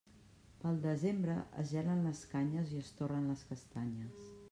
Pel desembre es gelen les canyes i es torren les castanyes.